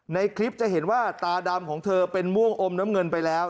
ในคลิปจะเห็นว่าตาดำของเธอเป็นม่วงอมน้ำเงินไปแล้ว